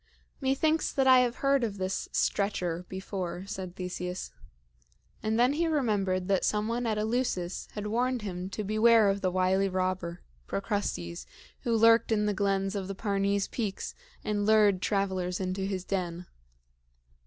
"Methinks that I have heard of this Stretcher before," said Theseus; and then he remembered that some one at Eleusis had warned him to beware of the wily robber, Procrustes, who lurked in the glens of the Parnes peaks and lured travelers into his den.